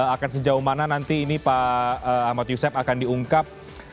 akan sejauh mana nanti ini pak ahmad yusef akan diungkap